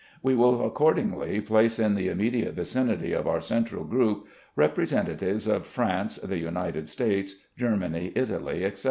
We will accordingly place in the immediate vicinity of our central group, representatives of France, the United States, Germany, Italy, etc.